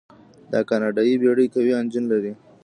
دا کاناډایي بیړۍ قوي انجن لري.